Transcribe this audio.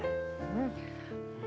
うん。